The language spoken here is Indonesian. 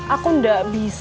aku gak bisa